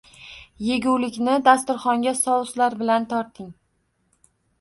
Yegulikni dasturxonga souslar bilan torting